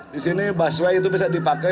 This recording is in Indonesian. di sini busway itu bisa dipakai